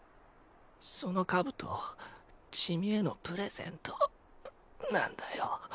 その冑チミへのプレゼントなんだよ。